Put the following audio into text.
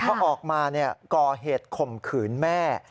พอออกมาก่อเหตุข่มขืนแม่